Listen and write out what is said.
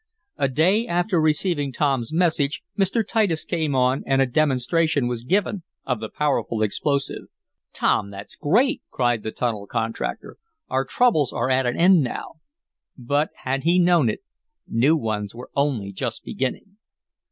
A day after receiving Tom's message Mr. Titus came on and a demonstration was given of the powerful explosive. "Tom, that's great!" cried the tunnel contractor. "Our troubles are at an end now." But, had he known it, new ones were only just beginning.